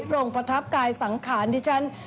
โรงประทับกายสังขารที่ฉัน